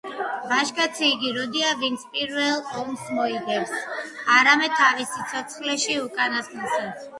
ვაჟკაცი იგი როდია ვინც პირველ ომს მოიგებს, არამედ თავის სიცოცხლეში უკანასკნელსაც.